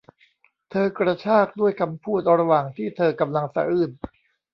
เธอกระชากด้วยคำพูดระหว่างที่เธอกำลังสะอื้น